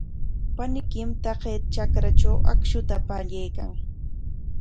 Paniykim taqay trakratraw akshuta pallaykan.